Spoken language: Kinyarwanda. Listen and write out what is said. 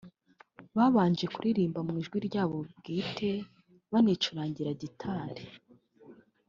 Babanje kuririmba mu ijwi ryabo bwite banicurangira gitari